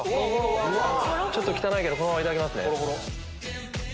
ちょっと汚いけどこのままいただきますね。